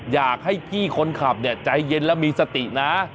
อยากให้พี่คนขับเนี่ยใจเย็นแล้วมีสตินะ